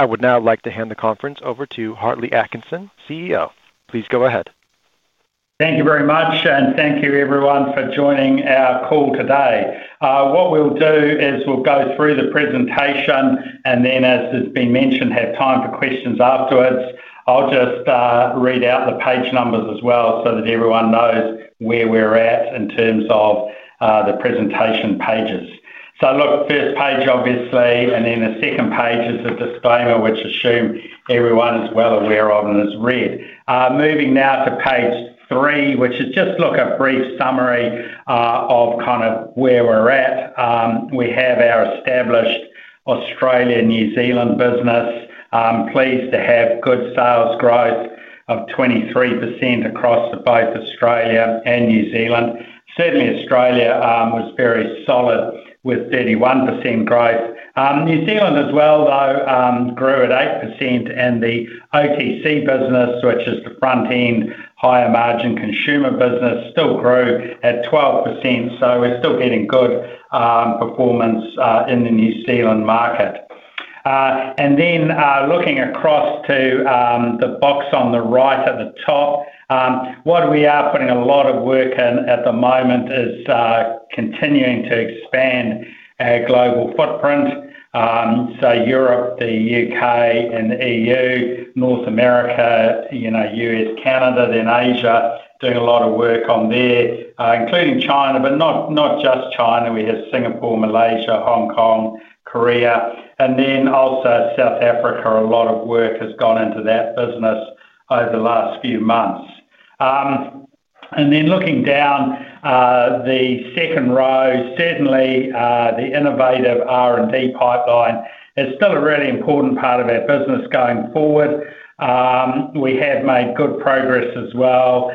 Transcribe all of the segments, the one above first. I would now like to hand the conference over to Hartley Atkinson, CEO. Please go ahead. Thank you very much, and thank you everyone for joining our call today. What we'll do is we'll go through the presentation, and then, as has been mentioned, have time for questions afterwards. I'll just read out the page numbers as well so that everyone knows where we're at in terms of the presentation pages. First page obviously, and then the second page is a disclaimer, which I assume everyone is well aware of and has read. Moving now to page three, which is just a brief summary of kind of where we're at. We have our established Australia-New Zealand business, pleased to have good sales growth of 23% across both Australia and New Zealand. Certainly, Australia was very solid with 31% growth. New Zealand as well, though, grew at 8%, and the OTC business, which is the front-end higher margin consumer business, still grew at 12%. We are still getting good performance in the New Zealand market. Looking across to the box on the right at the top, what we are putting a lot of work in at the moment is continuing to expand our global footprint. Europe, the U.K., and the E.U., North America, U.S., Canada, then Asia, doing a lot of work on there, including China, but not just China. We have Singapore, Malaysia, Hong Kong, Korea, and also South Africa. A lot of work has gone into that business over the last few months. Looking down the second row, certainly the innovative R&D pipeline is still a really important part of our business going forward. We have made good progress as well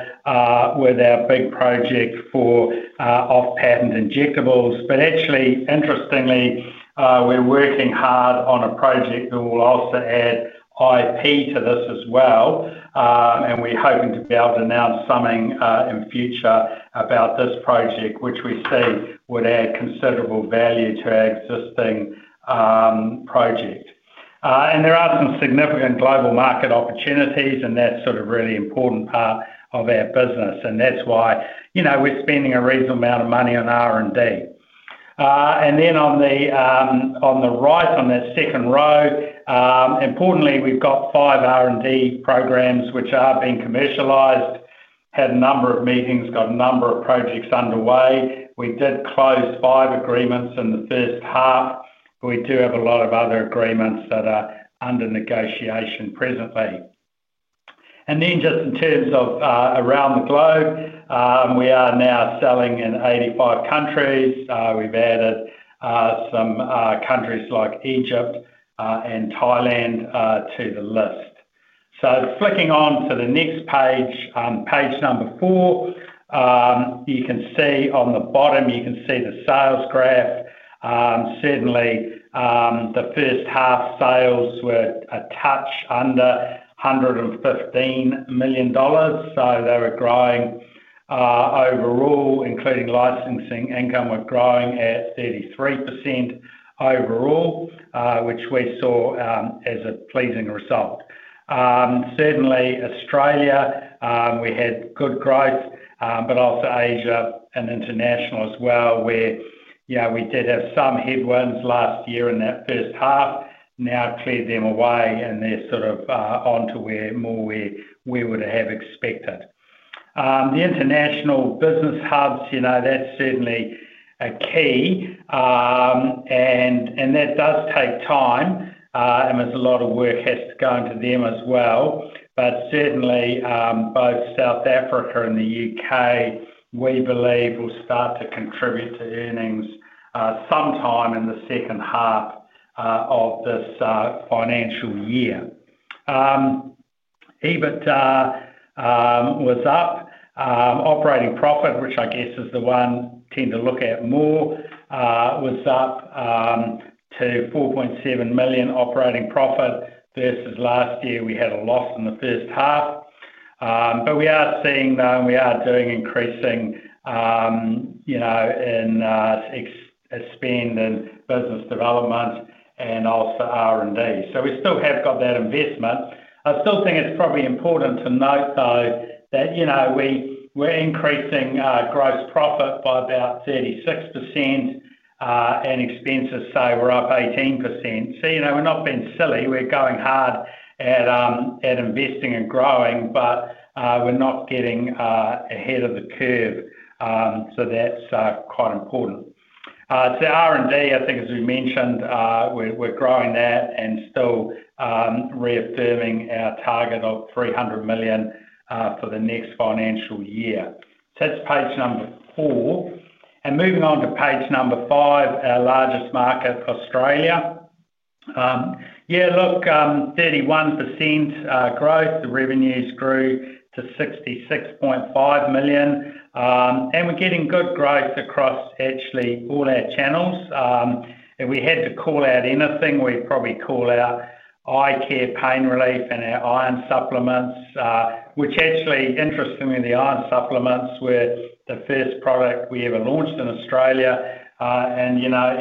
with our big project for off-patent injectables. Actually, interestingly, we are working hard on a project that will also add IP to this as well. We are hoping to be able to announce something in future about this project, which we see would add considerable value to our existing project. There are some significant global market opportunities, and that is a really important part of our business. That is why we are spending a reasonable amount of money on R&D. On the right, on the second row, importantly, we have five R&D programs which are being commercialized, had a number of meetings, got a number of projects underway. We did close five agreements in the first half, but we do have a lot of other agreements that are under negotiation presently. Just in terms of around the globe, we are now selling in 85 countries. We have added some countries like Egypt and Thailand to the list. Flicking on to the next page, page number four, you can see on the bottom, you can see the sales graph. Certainly, the first half sales were a touch under 115 million dollars. They were growing overall, including licensing income was growing at 33% overall, which we saw as a pleasing result. Certainly, Australia, we had good growth, but also Asia and international as well, where we did have some headwinds last year in that first half, now cleared them away, and they are sort of on to more where we would have expected. The international business hubs, that is certainly a key. That does take time, and there is a lot of work has to go into them as well. Certainly, both South Africa and the U.K., we believe, will start to contribute to earnings sometime in the second half of this financial year. EBIT was up. Operating profit, which I guess is the one we tend to look at more, was up to 4.7 million operating profit versus last year we had a loss in the first half. We are seeing, though, and we are doing increasing in spend and business development and also R&D. We still have got that investment. I still think it's probably important to note, though, that we're increasing gross profit by about 36%, and expenses, say, we're up 18%. We're not being silly. We're going hard at investing and growing, but we're not getting ahead of the curve. That's quite important. R&D, I think, as we mentioned, we're growing that and still reaffirming our target of 300 million for the next financial year. That's page number four. Moving on to page number five, our largest market, Australia. Yeah, look, 31% growth. The revenues grew to 66.5 million. We're getting good growth across actually all our channels. If we had to call out anything, we'd probably call out eye care, pain relief, and our iron supplements, which actually, interestingly, the iron supplements were the first product we ever launched in Australia.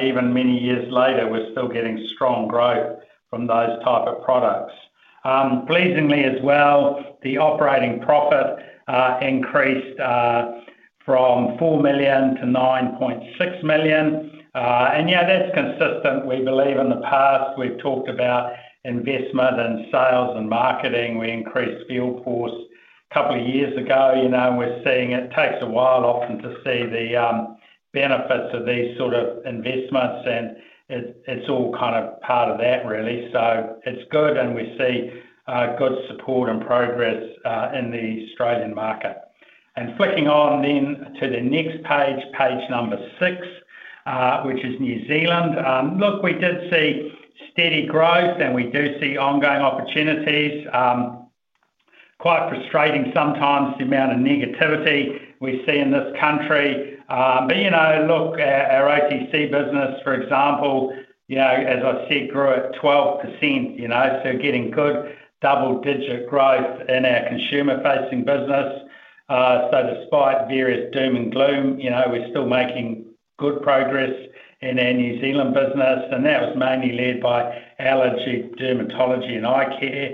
Even many years later, we're still getting strong growth from those types of products. Pleasingly as well, the operating profit increased from 4 million to 9.6 million. Yeah, that's consistent. We believe in the past, we've talked about investment in sales and marketing. We increased Field Force a couple of years ago. We're seeing it takes a while often to see the benefits of these sort of investments, and it's all kind of part of that, really. It's good, and we see good support and progress in the Australian market. Flicking on then to the next page, page number six, which is New Zealand. Look, we did see steady growth, and we do see ongoing opportunities. Quite frustrating sometimes the amount of negativity we see in this country. Look, our OTC business, for example, as I said, grew at 12%. Getting good double-digit growth in our consumer-facing business. Despite various doom and gloom, we're still making good progress in our New Zealand business. That was mainly led by allergy, dermatology, and eye care.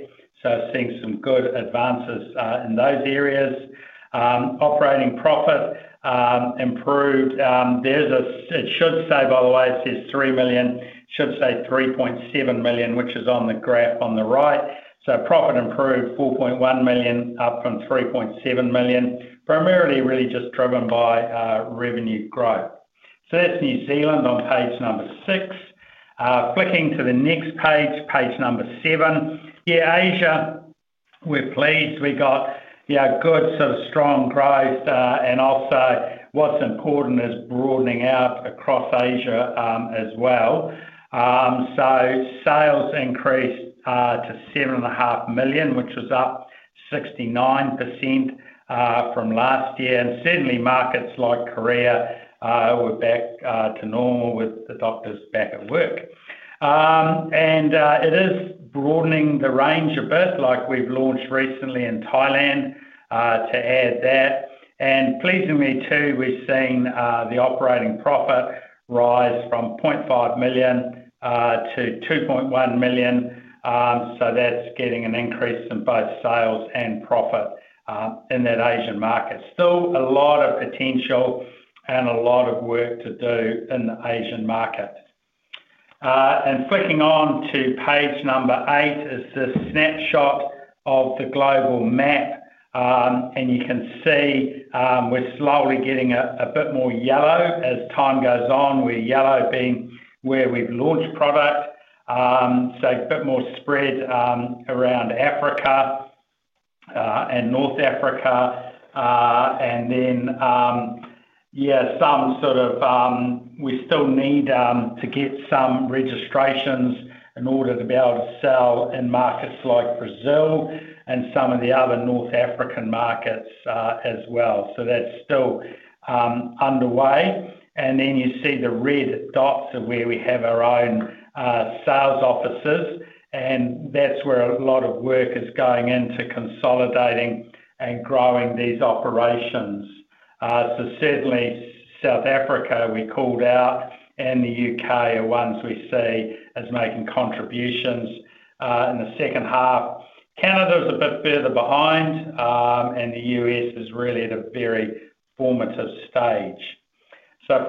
Seeing some good advances in those areas. Operating profit improved. It should say, by the way, it says 3 million. It should say 3.7 million, which is on the graph on the right. Profit improved, 4.1 million, up from 3.7 million. Primarily really just driven by revenue growth. That is New Zealand on page number six. Flicking to the next page, page number seven. Yeah, Asia, we're pleased. We got good sort of strong growth. Also, what's important is broadening out across Asia as well. Sales increased to 7.5 million, which was up 69% from last year. Certainly, markets like Korea were back to normal with the doctors back at work. It is broadening the range a bit, like we've launched recently in Thailand to add that. Pleasingly too, we've seen the operating profit rise from 500,000 to 2.1 million. That's getting an increase in both sales and profit in that Asian market. Still a lot of potential and a lot of work to do in the Asian market. Flicking on to page number eight is this snapshot of the global map. You can see we're slowly getting a bit more yellow as time goes on, with yellow being where we've launched product. A bit more spread around Africa and North Africa. Some sort of we still need to get some registrations in order to be able to sell in markets like Brazil and some of the other North African markets as well. That's still underway. You see the red dots are where we have our own sales offices. That's where a lot of work is going into consolidating and growing these operations. Certainly, South Africa we called out, and the U.K. are ones we see as making contributions in the second half. Canada is a bit further behind, and the U.S. is really at a very formative stage.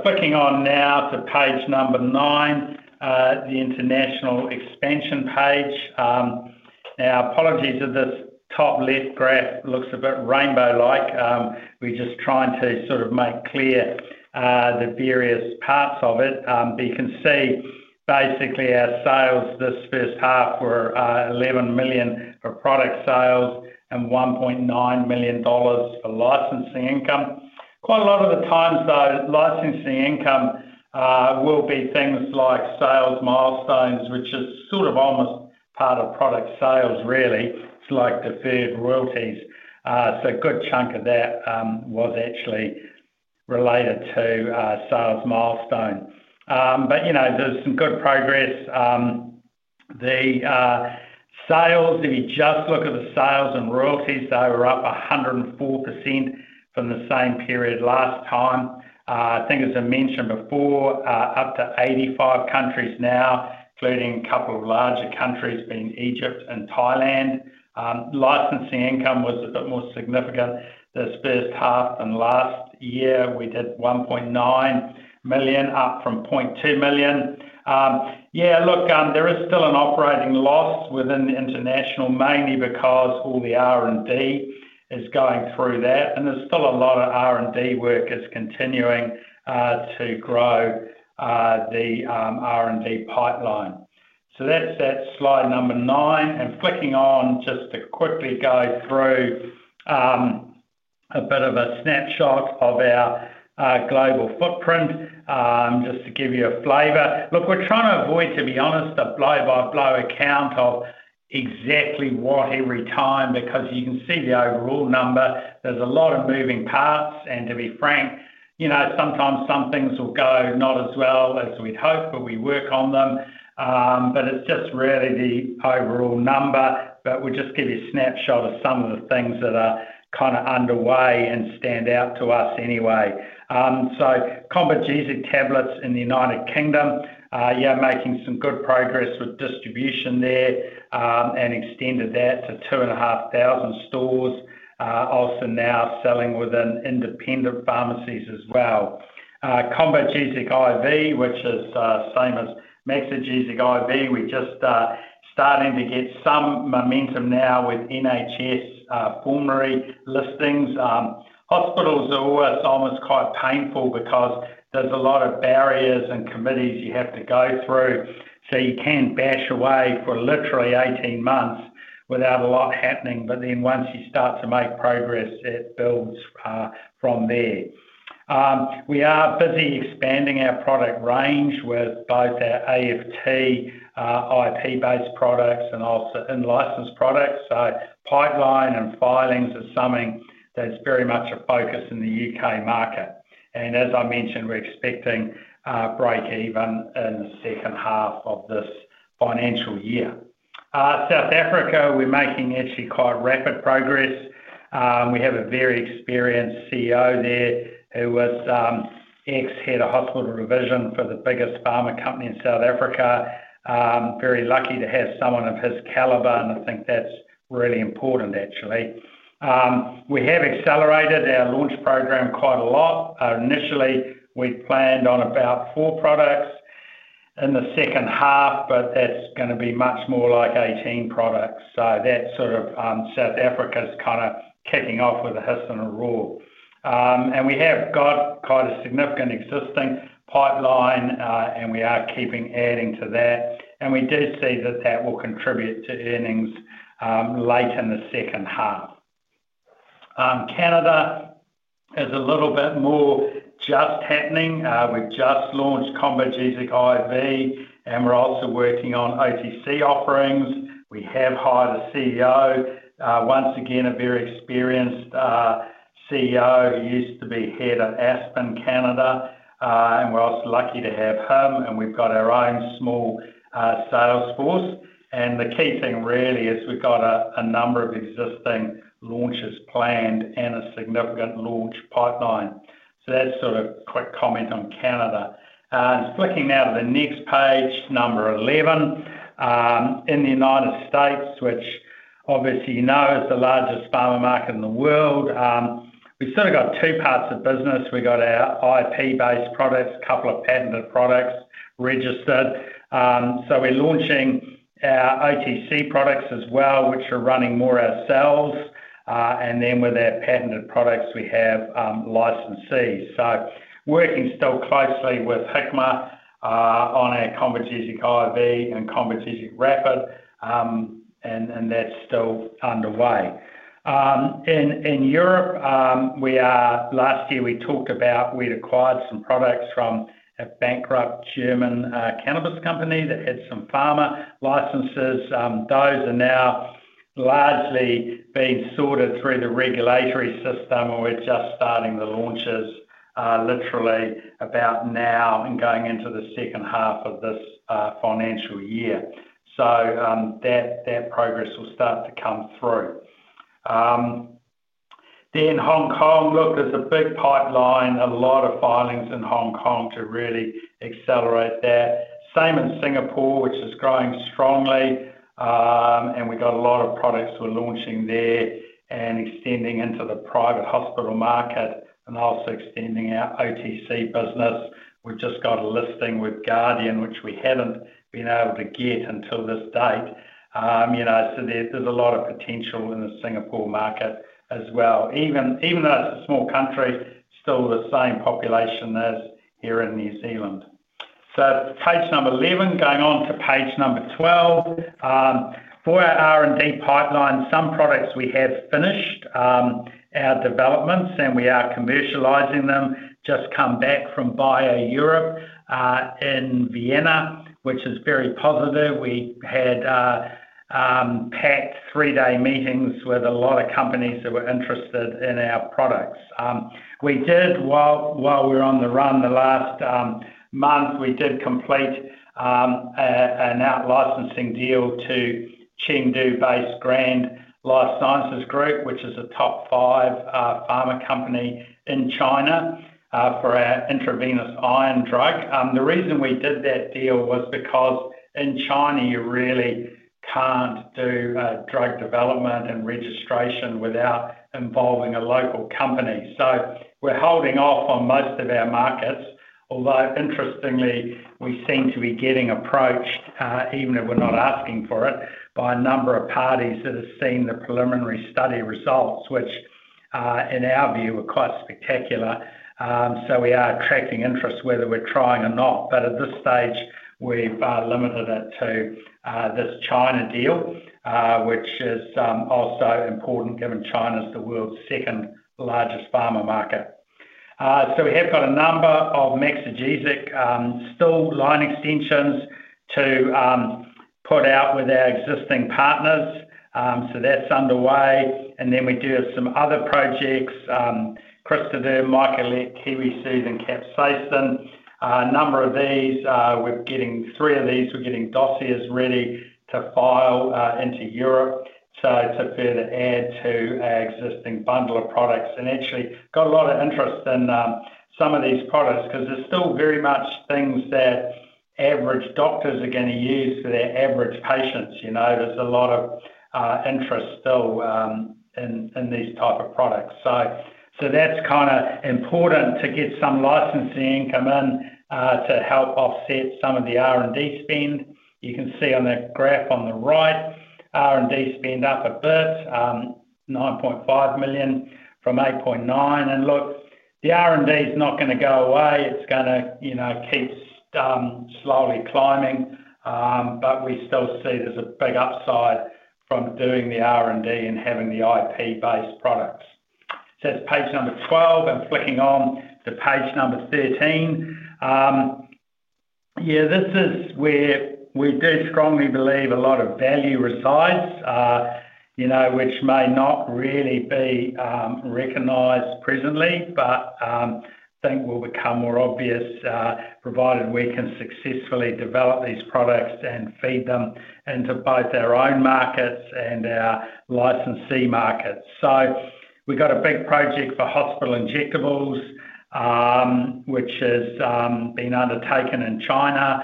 Flicking on now to page number nine, the international expansion page. Now, apologies if this top left graph looks a bit rainbow-like. We're just trying to sort of make clear the various parts of it. You can see basically our sales this first half were 11 million for product sales and 1.9 million dollars for licensing income. Quite a lot of the times, though, licensing income will be things like sales milestones, which is sort of almost part of product sales, really. It's like deferred royalties. A good chunk of that was actually related to sales milestone. There is some good progress. The sales, if you just look at the sales and royalties, they were up 104% from the same period last time. I think, as I mentioned before, up to 85 countries now, including a couple of larger countries being Egypt and Thailand. Licensing income was a bit more significant this first half than last year. We did 1.9 million, up from 0.2 million. Yeah, look, there is still an operating loss within the international, mainly because all the R&D is going through that. There is still a lot of R&D work that's continuing to grow the R&D pipeline. That is that slide number nine. Flicking on just to quickly go through a bit of a snapshot of our global footprint, just to give you a flavor. Look, we're trying to avoid, to be honest, a blow-by-blow account of exactly what every time, because you can see the overall number. There are a lot of moving parts. To be frank, sometimes some things will go not as well as we'd hope, but we work on them. It is just really the overall number. We'll just give you a snapshot of some of the things that are kind of underway and stand out to us anyway. Combogesic tablets in the U.K., yeah, making some good progress with distribution there and extended that to 2,500 stores, also now selling within independent pharmacies as well. Combogesic IV, which is the same as MaxigesicIV. We're just starting to get some momentum now with NHS formulary listings. Hospitals are always almost quite painful because there's a lot of barriers and committees you have to go through. You can bash away for literally 18 months without a lot happening. Once you start to make progress, it builds from there. We are busy expanding our product range with both our AFT IP-based products and also in-license products. Pipeline and filings are something that's very much a focus in the U.K. market. As I mentioned, we're expecting break-even in the second half of this financial year. South Africa, we're making actually quite rapid progress. We have a very experienced CEO there who was ex-head of hospital revision for the biggest pharma company in South Africa. Very lucky to have someone of his caliber, and I think that's really important, actually. We have accelerated our launch program quite a lot. Initially, we planned on about four products in the second half, but that's going to be much more like 18 products. That is sort of South Africa's kind of kicking off with a hiss and a roar. We have got quite a significant existing pipeline, and we are keeping adding to that. We do see that that will contribute to earnings late in the second half. Canada is a little bit more just happening. We've just launched Combogesic IV, and we're also working on OTC offerings. We have hired a CEO, once again, a very experienced CEO. He used to be head of Aspen Canada, and we're also lucky to have him. We have our own small sales force. The key thing, really, is we've got a number of existing launches planned and a significant launch pipeline. That is sort of a quick comment on Canada. Flicking now to the next page, number 11. In the United States, which obviously you know is the largest pharma market in the world, we've sort of got two parts of business. We've got our IP-based products, a couple of patented products registered. We're launching our OTC products as well, which are running more ourselves. With our patented products, we have licensees. We are working still closely with Hikma on our Combogesic IV and Combogesic Rapid, and that is still underway. In Europe, last year we talked about how we had acquired some products from a bankrupt German cannabis company that had some pharma licenses. Those are now largely being sorted through the regulatory system, and we are just starting the launches literally about now and going into the second half of this financial year. That progress will start to come through. In Hong Kong, there is a big pipeline, a lot of filings in Hong Kong to really accelerate that. The same in Singapore, which is growing strongly. We have a lot of products we are launching there and extending into the private hospital market and also extending our OTC business. We have just got a listing with Guardian, which we have not been able to get until this date. There is a lot of potential in the Singapore market as well. Even though it is a small country, it still has the same population as here in New Zealand. Page number 11, going on to page number 12. For our R&D pipeline, some products we have finished our developments, and we are commercializing them. Just come back from BIO-Europe in Vienna, which is very positive. We had packed three-day meetings with a lot of companies that were interested in our products. While we are on the run, the last month, we did complete an out-licensing deal to Chengdu-based Grand Life Sciences Group, which is a top five pharma company in China for our intravenous iron drug. The reason we did that deal was because in China, you really cannot do drug development and registration without involving a local company. We're holding off on most of our markets, although interestingly, we seem to be getting approached, even if we're not asking for it, by a number of parties that have seen the preliminary study results, which in our view are quite spectacular. We are attracting interest, whether we're trying or not. At this stage, we've limited it to this China deal, which is also important given China is the world's second largest pharma market. We have got a number of Maxigesic still line extensions to put out with our existing partners. That's underway. We do have some other projects: Crystaderm, Micolette, Kiwisoothe, and Capsaicin. A number of these, we're getting three of these. We're getting dossiers ready to file into Europe to further add to our existing bundle of products. Actually, got a lot of interest in some of these products because they're still very much things that average doctors are going to use for their average patients. There's a lot of interest still in these types of products. That's kind of important to get some licensing income in to help offset some of the R&D spend. You can see on that graph on the right, R&D spend up a bit, 9.5 million from 8.9 million. Look, the R&D is not going to go away. It's going to keep slowly climbing. We still see there's a big upside from doing the R&D and having the IP-based products. That's page number 12. Flicking on to page number 13. Yeah, this is where we do strongly believe a lot of value resides, which may not really be recognized presently, but I think will become more obvious provided we can successfully develop these products and feed them into both our own markets and our licensee markets. We have a big project for hospital injectables, which has been undertaken in China.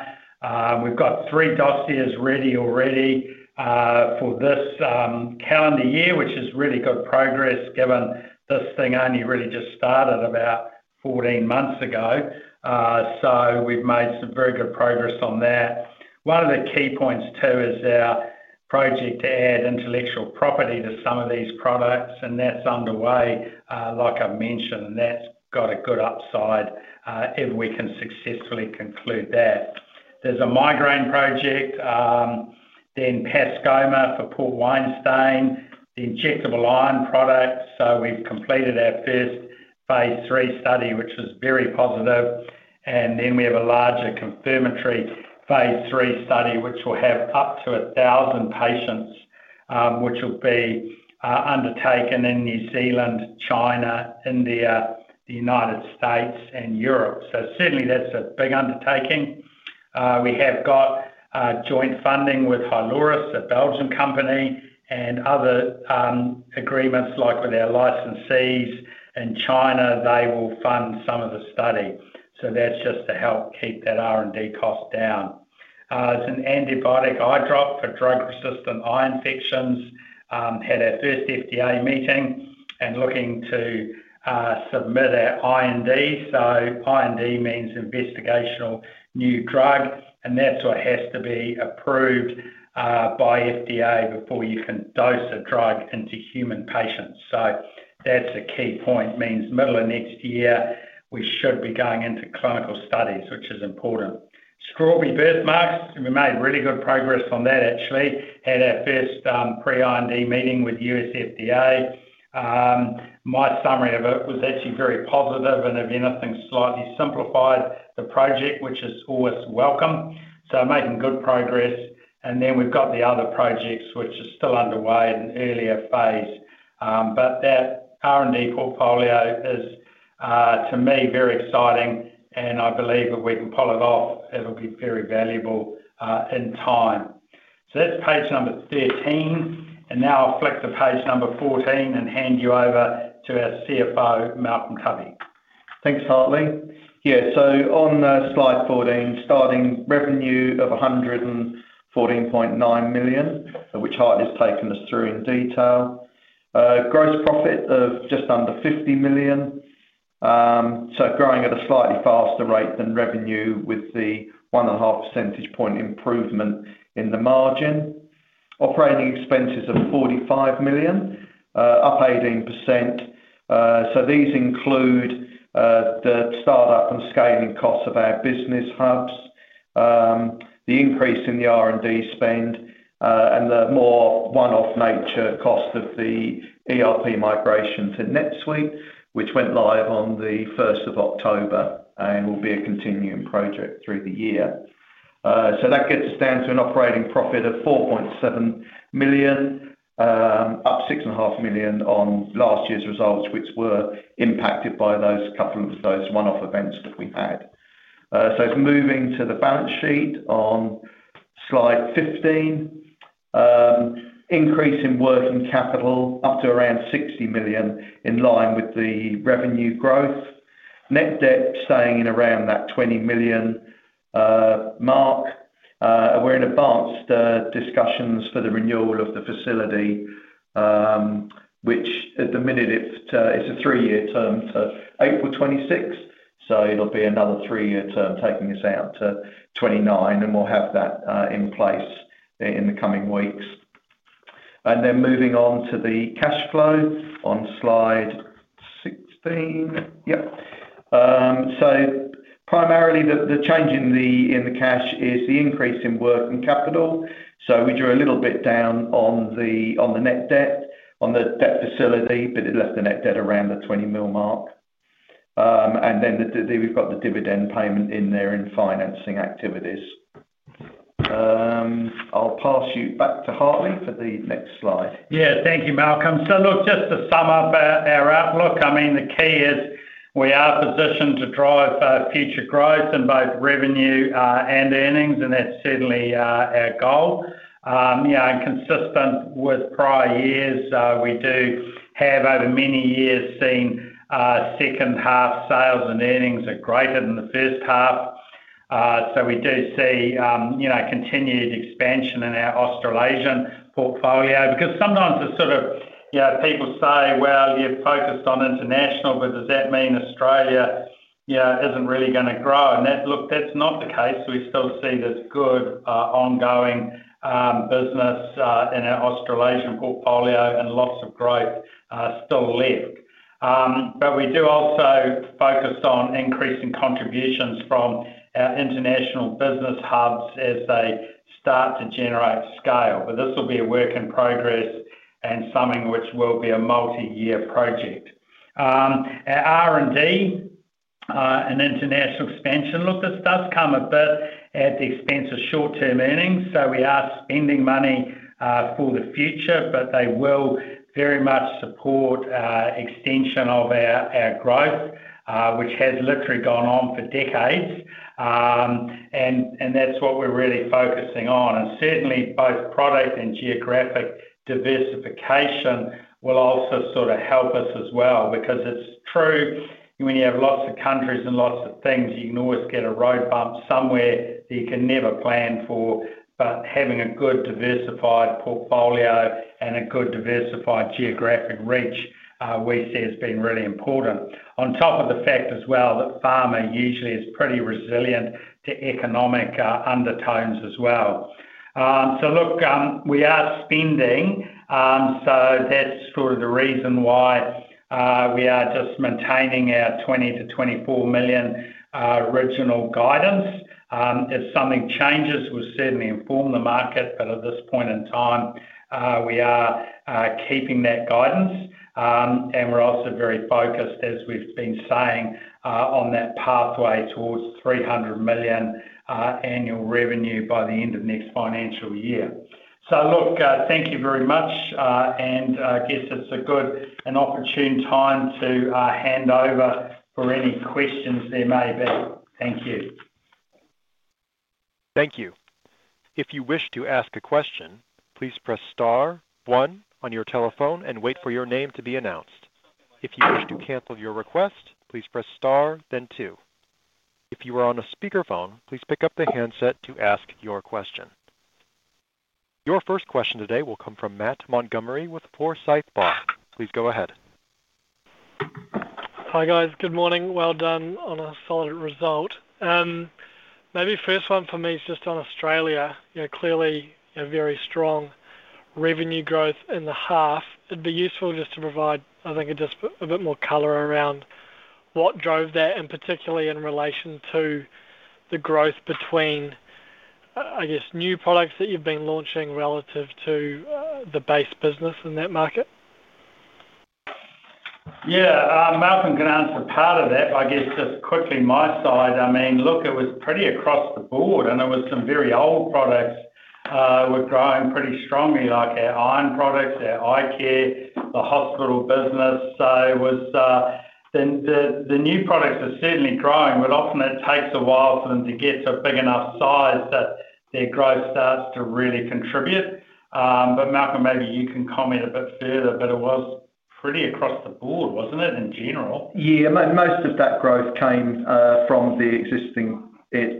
We have three dossiers ready already for this calendar year, which is really good progress given this thing only really just started about 14 months ago. We have made some very good progress on that. One of the key points too is our project to add intellectual property to some of these products, and that's underway, like I mentioned. That has a good upside if we can successfully conclude that. There is a migraine project, then Pascomer for Port Wine Stain, the injectable iron product. We have completed our first phase three study, which was very positive. There is a larger confirmatory phase three study, which will have up to 1,000 patients, which will be undertaken in New Zealand, China, India, the United States, and Europe. Certainly, that is a big undertaking. We have joint funding with Hyloris, a Belgian company, and other agreements, like with our licensees in China, who will fund some of the study. That is just to help keep that R&D cost down. There is an antibiotic eye drop for drug-resistant eye infections. We had our first FDA meeting and are looking to submit our IND. IND means investigational new drug, and that is what has to be approved by FDA before you can dose a drug into human patients. That is a key point. It means middle of next year, we should be going into clinical studies, which is important. Strawberry birthmarks, we made really good progress on that, actually. Had our first pre-IND meeting with U.S. FDA. My summary of it was actually very positive. If anything, slightly simplified the project, which is always welcome. Making good progress. We have the other projects, which are still underway in earlier phase. That R&D portfolio is, to me, very exciting. I believe if we can pull it off, it will be very valuable in time. That is page number 13. Now I will flick to page number 14 and hand you over to our CFO, Malcolm Tubby. Thanks, Hartley. Yeah, on slide 14, starting revenue of 114.9 million, which Hartley has taken us through in detail. Gross profit of just under 50 million, growing at a slightly faster rate than revenue with the 1.5 percentage point improvement in the margin. Operating expenses of 45 million, up 18%. These include the startup and scaling costs of our business hubs, the increase in the R&D spend, and the more one-off nature cost of the ERP migration to NetSuite, which went live on the 1st of October and will be a continuing project through the year. That gets us down to an operating profit of 4.7 million, up 6.5 million on last year's results, which were impacted by those couple of those one-off events that we had. Moving to the balance sheet on slide 15. Increase in working capital up to around 60 million in line with the revenue growth. Net debt staying in around that 20 million mark. We are in advanced discussions for the renewal of the facility, which at the minute, it's a three-year term to April 2026. It'll be another three-year term taking us out to 2029, and we'll have that in place in the coming weeks. Moving on to the cash flow on slide 16. Yep. Primarily, the change in the cash is the increase in working capital. We drew a little bit down on the net debt on the debt facility, but it left the net debt around the 20 million mark. We've got the dividend payment in there in financing activities. I'll pass you back to Hartley for the next slide. Thank you, Malcolm. Just to sum up our outlook, the key is we are positioned to drive future growth in both revenue and earnings, and that's certainly our goal. Consistent with prior years, we do have over many years seen second half sales and earnings are greater than the first half. We do see continued expansion in our Australasian portfolio because sometimes it's sort of people say, "Well, you're focused on international, but does that mean Australia isn't really going to grow?" Look, that's not the case. We still see this good ongoing business in our Australasian portfolio and lots of growth still left. We do also focus on increasing contributions from our international business hubs as they start to generate scale. This will be a work in progress and something which will be a multi-year project. Our R&D and international expansion, look, this does come a bit at the expense of short-term earnings. We are spending money for the future, but they will very much support extension of our growth, which has literally gone on for decades. That's what we're really focusing on. Certainly, both product and geographic diversification will also sort of help us as well because it's true when you have lots of countries and lots of things, you can always get a road bump somewhere that you can never plan for. Having a good diversified portfolio and a good diversified geographic reach, we see has been really important. On top of the fact as well that pharma usually is pretty resilient to economic undertones as well. Look, we are spending. That's sort of the reason why we are just maintaining our 20 million-24 million original guidance. If something changes, we'll certainly inform the market. At this point in time, we are keeping that guidance. We're also very focused, as we've been saying, on that pathway towards 300 million annual revenue by the end of next financial year. Look, thank you very much. I guess it's a good and opportune time to hand over for any questions there may be. Thank you. Thank you. If you wish to ask a question, please press star, one, on your telephone and wait for your name to be announced. If you wish to cancel your request, please press star, then two. If you are on a speakerphone, please pick up the handset to ask your question. Your first question today will come from Matt Montgomerie with Forsyth Barr. Please go ahead. Hi guys, good morning. Well done on a solid result. Maybe first one for me is just on Australia. Clearly, a very strong revenue growth in the half. It'd be useful just to provide, I think, a bit more color around what drove that, and particularly in relation to the growth between, I guess, new products that you've been launching relative to the base business in that market. Yeah, Malcolm can answer part of that, but I guess just quickly my side. I mean, look, it was pretty across the board, and there were some very old products that were growing pretty strongly, like our iron products, our eye care, the hospital business. The new products are certainly growing, but often it takes a while for them to get to a big enough size that their growth starts to really contribute. Malcolm, maybe you can comment a bit further, but it was pretty across the board, wasn't it, in general? Yeah, most of that growth came from the existing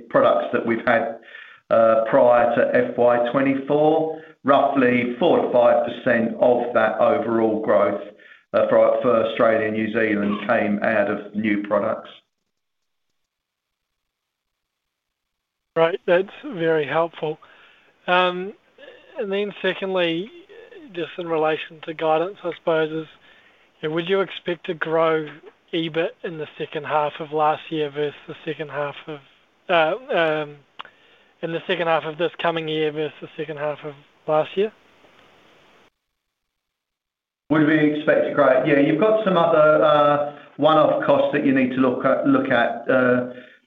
products that we've had prior to FY 2024. Roughly 4%-5% of that overall growth for Australia and New Zealand came out of new products. Right, that's very helpful. Then secondly, just in relation to guidance, I suppose, would you expect to grow EBIT in the second half of last year versus the second half of, in the second half of this coming year versus the second half of last year? Would we expect to grow? Yeah, you've got some other one-off costs that you need to look at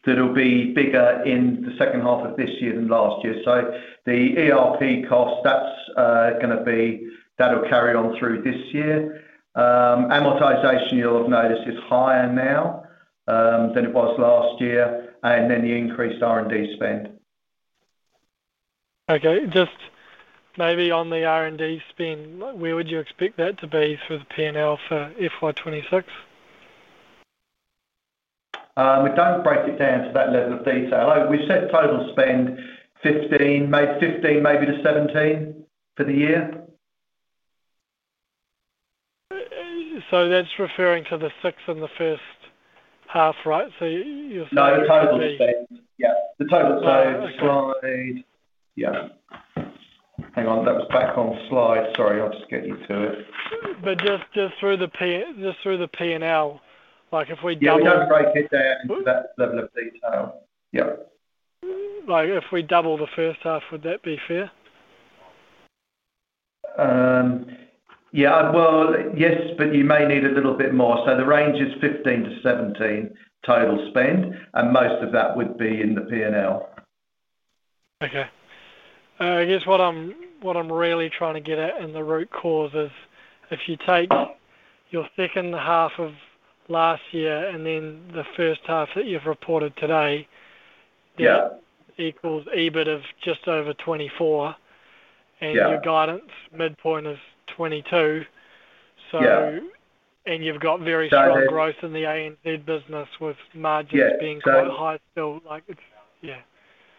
that'll be bigger in the second half of this year than last year. The ERP cost, that's going to be, that'll carry on through this year. Amortization, you'll have noticed, is higher now than it was last year, and then the increased R&D spend. Okay, just maybe on the R&D spend, where would you expect that to be for the P&L for FY 2026? We do not break it down to that level of detail. We set total spend 15 million, made 15 million maybe to 17 million for the year. That is referring to the sixth and the first half, right? You are saying the total spend. Yes, the total spend. Hang on, that was back on slide. Sorry, I will just get you to it. Just through the P&L, if we double. Yes, we do not break it down to that level of detail. If we double the first half, would that be fair? Yes, but you may need a little bit more. The range is 15 million-17 million total spend, and most of that would be in the P&L. Okay. I guess what I'm really trying to get at in the root cause is if you take your second half of last year and then the first half that you've reported today, that equals EBIT of just over 24 million, and your guidance midpoint is 22 million. You've got very strong growth in the IND business with margins being quite high still. Yeah.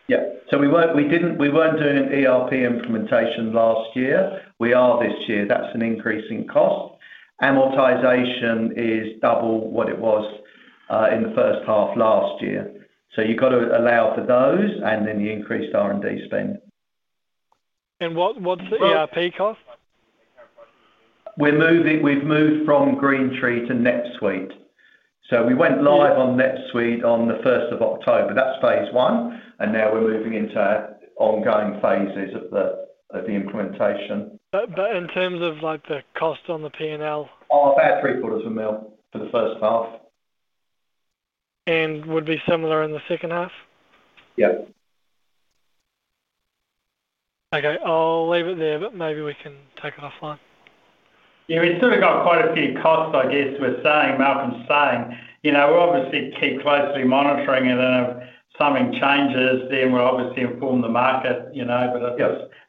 We were not doing an ERP implementation last year. We are this year. That's an increasing cost. Amortization is double what it was in the first half last year. You've got to allow for those and then the increased R&D spend. What's the ERP cost? We've moved from Greentree to NetSuite. We went live on NetSuite on the 1st of October. That's phase one. Now we're moving into ongoing phases of the implementation. In terms of the cost on the P&L? About 750,00 for the first half. And would be similar in the second half? Yeah. Okay, I'll leave it there, but maybe we can take it offline. Yeah, we've still got quite a few costs, I guess, we're saying, Malcolm's saying. We'll obviously keep closely monitoring it, and if something changes, then we'll obviously inform the market.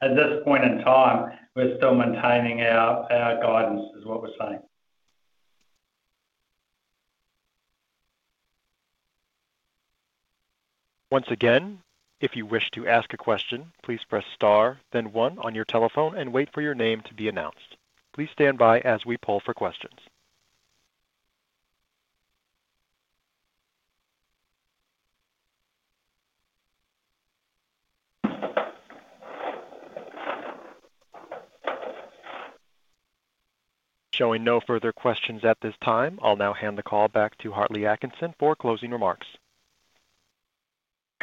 At this point in time, we're still maintaining our guidance is what we're saying. Once again, if you wish to ask a question, please press star, then one, on your telephone and wait for your name to be announced. Please stand by as we pull for questions. Showing no further questions at this time, I'll now hand the call back to Hartley Atkinson for closing remarks.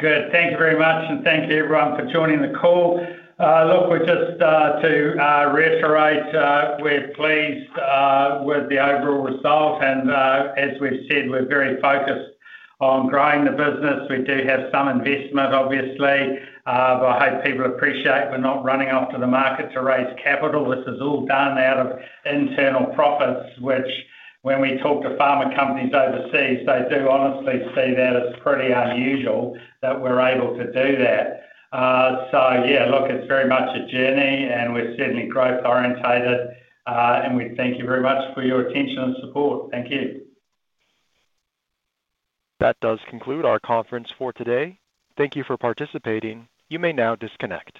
Good. Thank you very much, and thank you, everyone, for joining the call. Look, just to reiterate, we're pleased with the overall result. As we have said, we are very focused on growing the business. We do have some investment, obviously, but I hope people appreciate we are not running after the market to raise capital. This is all done out of internal profits, which, when we talk to pharma companies overseas, they do honestly say that it is pretty unusual that we are able to do that. Yeah, look, it is very much a journey, and we are certainly growth-orientated. We thank you very much for your attention and support. Thank you. That does conclude our conference for today. Thank you for participating. You may now disconnect.